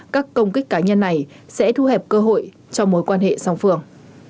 các công kích cá nhân này sẽ thu hẹp cơ hội cho mối quan hệ song phương